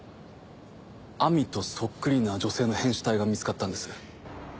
亜美とそっくりな女性の変死体が見つかったんです。